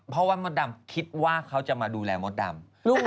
เพราะว่ามดดำคิดว่าเขาจะมาดูแลมดดำ